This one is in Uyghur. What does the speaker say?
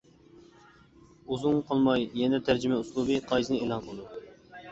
ئۇزۇنغا قالماي يەنە تەرجىمە ئۇسلۇبى قائىدىسىنى ئېلان قىلىدۇ.